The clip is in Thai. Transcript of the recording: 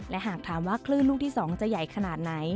และหากถามว่าคลื่นลูกที่๒จะใหญ่ขนาดไหน